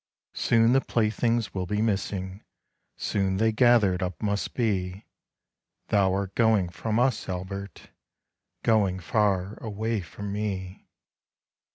Soon the playthings will be missing, Soon they gathered up must be Thou art going from us, Albert, Going far away from me.